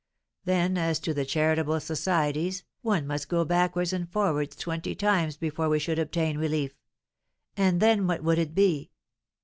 Then, as to the charitable societies, one must go backwards and forwards twenty times before we should obtain relief; and then what would it be?